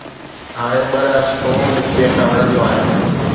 هاڻي ٻه رياستون هڪ ٻئي سان وڙهنديون آهن.